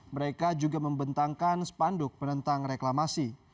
mereka juga membentangkan spanduk penentang reklamasi